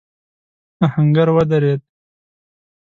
آهنګر ودرېد.